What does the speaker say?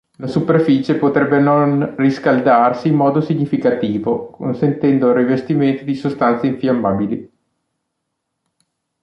La superficie potrebbe non riscaldarsi in modo significativo, consentendo il rivestimento di sostanze infiammabili.